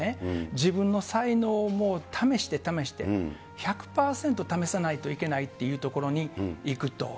自分の才能を試して試して、１００％試さないといけないっていうところに行くと。